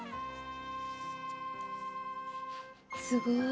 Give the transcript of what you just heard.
すごい！